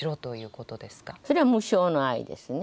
それは無償の愛ですね。